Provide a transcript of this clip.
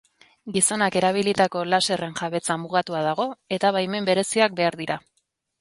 Gizonak erabilitako laserren jabetza mugatua dago eta baimen bereziak behar dira.